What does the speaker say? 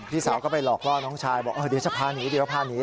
พี่สาวก็ไปหลอกล่อน้องชายบอกเดี๋ยวจะพาหนีเดี๋ยวพาหนี